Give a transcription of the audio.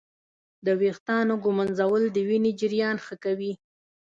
د ویښتانو ږمنځول د وینې جریان ښه کوي.